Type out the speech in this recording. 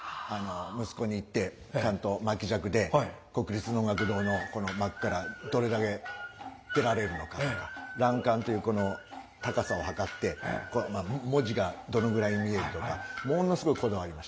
息子に言ってちゃんと巻き尺で国立能楽堂のこの幕からどれだけ出られるのかとか欄干というこの高さを測って文字がどのぐらい見えるとかものすごいこだわりました。